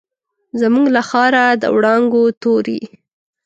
زموږ له ښاره، د وړانګو توري